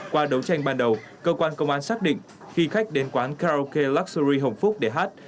qua đấu tranh ban đầu cơ quan công an xác định khi khách đến quán karaoke luxury hồng phúc để hát